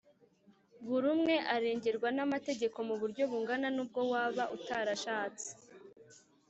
buri umwe arengerwa n’amategeko mu buryo bungana, n’ubwo waba utarashatse.